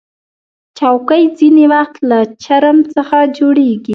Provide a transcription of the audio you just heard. چوکۍ ځینې وخت له چرم څخه جوړیږي.